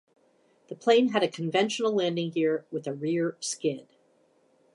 The plane had a conventional landing gear, with a rear skid.